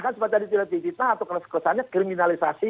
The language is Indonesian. karena kesannya kriminalisasi